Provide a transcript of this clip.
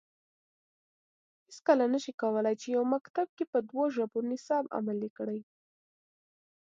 هیڅکله نه شي کولای چې یو مکتب کې په دوه ژبو نصاب عملي کړي